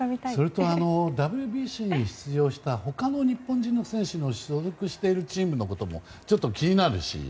それとＷＢＣに出場した他の日本人選手が所属しているチームのこともちょっと気になるし。